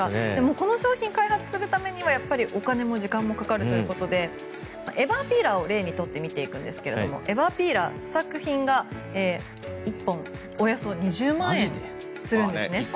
この商品を開発するためにはお金も時間もかかるということでエバーピーラーを例にとって見ていくんですがエバーピーラーは試作品が１本およそ２０万円するんです。